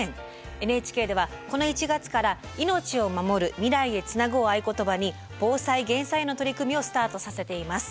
ＮＨＫではこの１月から「命をまもる未来へつなぐ」を合言葉に防災・減災の取り組みをスタートさせています。